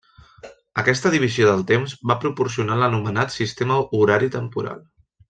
Aquesta divisió del temps va proporcionar l'anomenat sistema horari temporal.